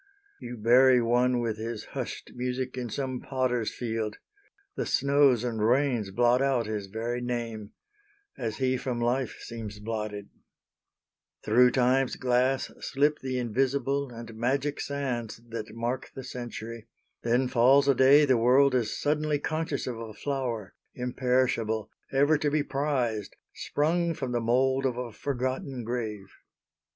You bury one, With his hushed music, in some Potter's Field; The snows and rains blot out his very name, As he from life seems blotted: through Time's glass Slip the invisible and magic sands That mark the century, then falls a day The world is suddenly conscious of a flower, Imperishable, ever to be prized, Sprung from the mould of a forgotten grave.